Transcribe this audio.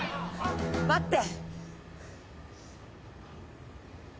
待って！